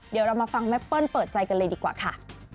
เดี๋ยวเรามาฟังแม่เปิ้ลเปิดใจกันเลยดีกว่าค่ะ